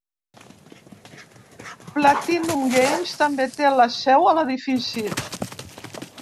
PlatinumGames també té la seu a l'edifici.